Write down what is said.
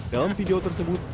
dalam video tersebut